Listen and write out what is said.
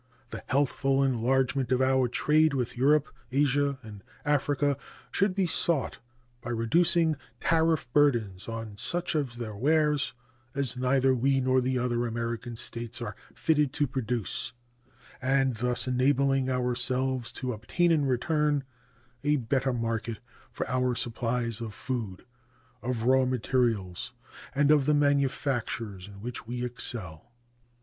The healthful enlargement of our trade with Europe, Asia, and Africa should be sought by reducing tariff burdens on such of their wares as neither we nor the other American States are fitted to produce, and thus enabling ourselves to obtain in return a better market for our supplies of food, of raw materials, and of the manufactures in which we excel.